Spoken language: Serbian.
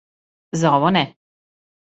За ово не.